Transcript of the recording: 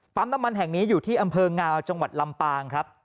น้ำมันแห่งนี้อยู่ที่อำเภองาวจังหวัดลำปางครับ